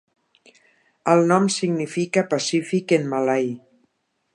El nom significa "pacífic" en malai.